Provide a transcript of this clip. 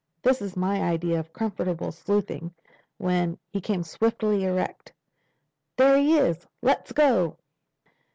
"This is my idea of comfortable sleuthing. When—" He came swiftly erect. "There he is! Let's go."